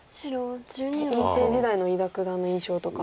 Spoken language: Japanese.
院生時代の伊田九段の印象とかどうですか？